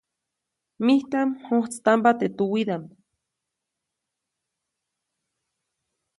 Mijtaʼm mjojtstampa teʼ tuwiʼdaʼm.